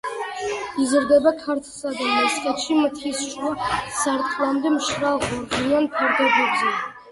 იზრდება ქართლსა და მესხეთში, მთის შუა სარტყლამდე, მშრალ, ღორღიან ფერდობებზე.